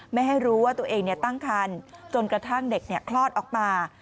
ไม่ให้รู้ว่าตัวเองตั้งคันจนกระทั่งเด็กคลอดออกมา